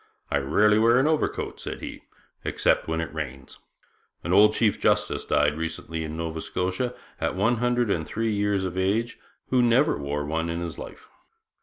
'I rarely wear an overcoat,' said he, 'except when it rains; an old chief justice died recently in Nova Scotia at one hundred and three years of age, who never wore one in his life.